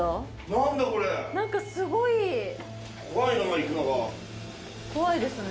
これ何かすごい怖い何か行くのが怖いですね